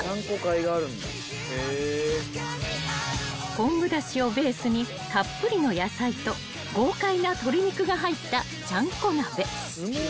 ［昆布だしをベースにたっぷりの野菜と豪快な鶏肉が入ったちゃんこ鍋］